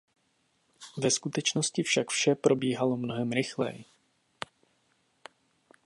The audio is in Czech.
Ve skutečnosti však vše probíhalo mnohem rychleji.